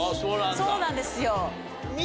そうなんですよ。